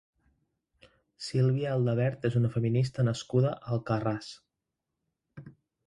Sílvia Aldabert és una feminista nascuda a Alcarràs.